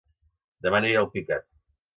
Dema aniré a Alpicat